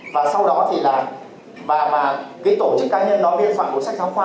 và sau đó thì là và cái tổ chức cá nhân đó biên soạn bộ sách giáo khoa